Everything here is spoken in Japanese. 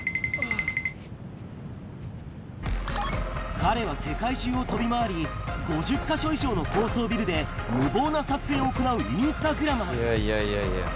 彼は世界中を飛び回り、５０か所以上の高層ビルで無謀な撮影を行うインスタグラマー。